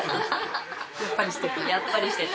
やっぱりしてたやっぱりしてた